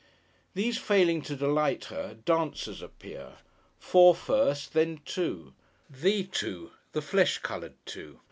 These failing to delight her, dancers appear. Four first; then two; the two; the flesh coloured two.